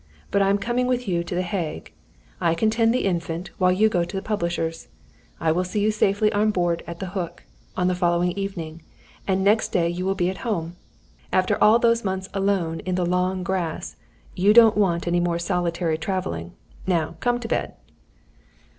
But I am coming with you to the Hague. I can tend the Infant, while you go to the publishers. I will see you safely on board at the Hook, on the following evening, and next day you will be at home. After all those months alone in the long grass, you don't want any more solitary travelling. Now come to bed."